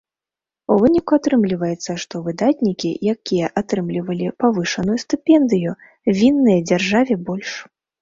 У выніку атрымліваецца, што выдатнікі, якія атрымлівалі павышаную стыпендыю, вінныя дзяржаве больш.